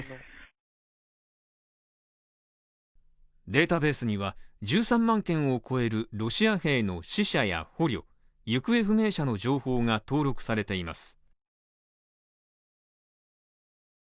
データベースには１３万件を超えるロシア兵の死者や捕虜行方不明者の情報が登録されています。